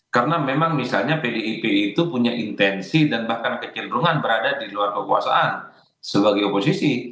karena memang misalnya pdip itu punya intensi dan bahkan kecenderungan berada di luar kekuasaan sebagai oposisi